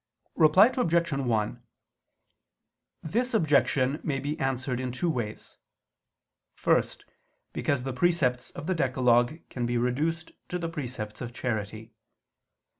Reply Obj. 1: This objection may be answered in two ways. First, because the precepts of the decalogue can be reduced to the precepts of charity.